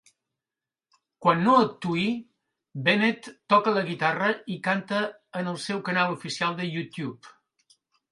Quan no actuï, Bennett toca la guitarra i canta en el seu canal oficial de YouTube.